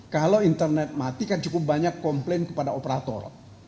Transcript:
kalau internet mati kan cukup banyak komplain kepada operator